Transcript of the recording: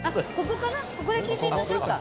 ここで聞いてみましょうか。